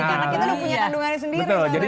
karena kita sudah punya kandungannya sendiri